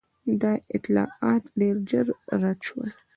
دا اطلاعات ډېر ژر رد شول.